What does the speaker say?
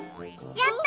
やった！